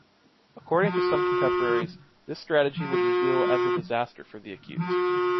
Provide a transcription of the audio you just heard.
According to some contemporaries, this strategy would reveal as a disaster for the accused.